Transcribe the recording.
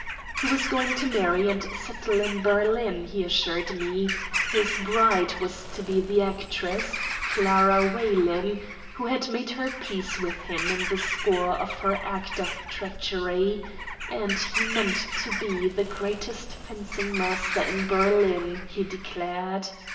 He was going to marry and settle in Berlin, he assured me his bride was to be the actress, Clara Weylin, who had made her peace with him in the score of her act of treachery and he meant to be the greatest fencing master in Berlin, he declared.